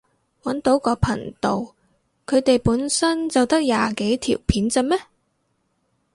搵到個頻道，佢哋本身就得廿幾條片咋咩？